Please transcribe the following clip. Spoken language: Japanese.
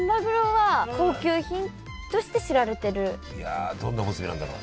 いやどんなおむすびなんだろう。